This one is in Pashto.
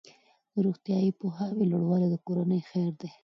د روغتیايي پوهاوي لوړوالی د کورنۍ خیر دی.